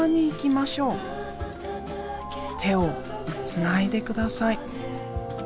てをつないでください」。